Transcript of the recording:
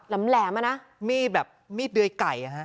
แหลมอ่ะนะมีดแบบมีดเดยไก่อ่ะฮะ